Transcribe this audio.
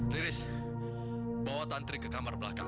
riris bawa tantri ke kamar belakang